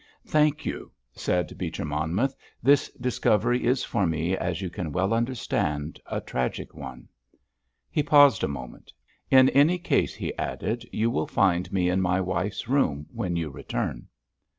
"Thank you," said Beecher Monmouth. "This discovery is for me, as you can well understand, a tragic one." He paused a moment. "In any case," he added, "you will find me in my wife's room when you return."